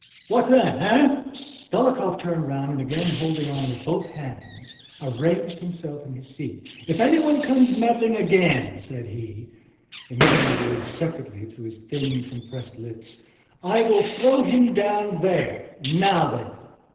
What then?... Eh?" Dólokhov turned round and, again holding on with both hands, arranged himself on his seat. "If anyone comes meddling again," said he, emitting the words separately through his thin compressed lips, "I will throw him down there. Now then!"